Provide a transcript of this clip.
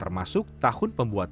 kursi itu nemat